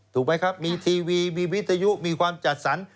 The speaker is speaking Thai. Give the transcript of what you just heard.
ถูกไหมครับมีทีวีมีวิทยุมีความจัดสรร